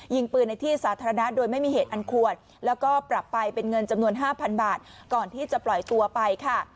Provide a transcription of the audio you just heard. ยิงปืนในที่สาธารณะโดยไม่มีเหตุอันควรแล้วก็ปรับไปเป็นเงินจำนวนห้าพันบาทก่อนที่จะปล่อยตัวไปค่ะ